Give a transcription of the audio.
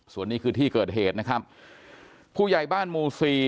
ส่วนนี้คือที่เกิดเหตุนะครับผู้ใหญ่บ้านหมู่สี่